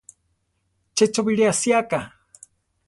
Che cho bilé asiáka.